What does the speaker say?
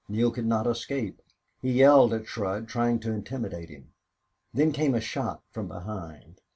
Neale could not escape. He yelled at Shurd, trying to intimidate him. Then came a shot from behind.